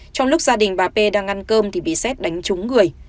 trong lúc gia đình bà p đang ăn cơm thì bị xét đánh trúng người